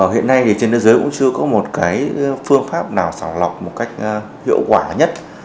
hiện nay thì trên thế giới cũng chưa có một cái phương pháp nào xả lọc một cách hiệu quả nhất